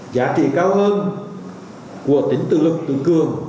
giá trị cao hơn của tính tự lực tự cường